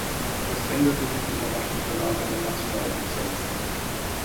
Das änderte sich mit der Machtübernahme der Nationalsozialisten.